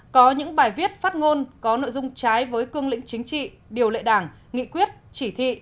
có những bài viết phát ngôn có nội dung trái với cương lĩnh chính trị điều lệ đảng nghị quyết chỉ thị